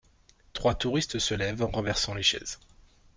Trois touristes se lèvent en renversant les chaises.